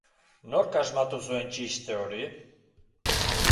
Nork asmatu zuen txiste hori?